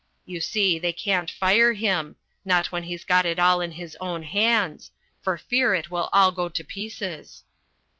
You see they can't fire him not when he's got it all in his own hands for fear it will all go to pieces.